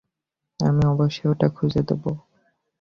আমি অবশ্যই ওটা খুঁজে দেখব।